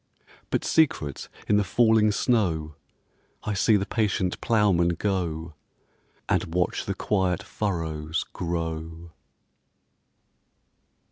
But secret in the falling snow I see the patient ploughman go, And watch the quiet furrows grow.